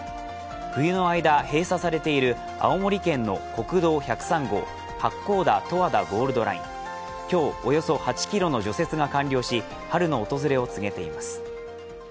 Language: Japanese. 冬の間、閉鎖されている青森県の国道１０３号八甲田・十和田ゴールドライン、今日およそ８ｋｍの除雪が完了し春の訪れを告げています。